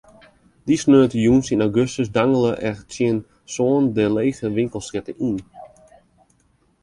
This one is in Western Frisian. Dy sneontejûns yn augustus dangele er tsjin sânen de lege winkelstrjitte yn.